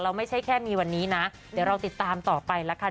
ไม่ใช่แค่มีวันนี้นะเดี๋ยวเราติดตามต่อไปละกัน